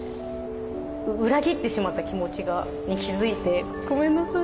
裏切ってしまった気持ちに気付いてごめんなさい。